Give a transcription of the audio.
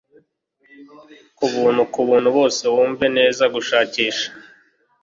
kubuntu kubuntu bose Wumve neza gushakisha